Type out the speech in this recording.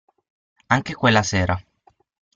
Anche quella sera.